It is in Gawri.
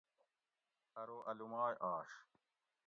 ارو اۤ لُومائ اش